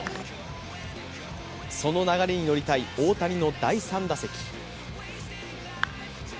その流れに乗りたい大谷の第３打席。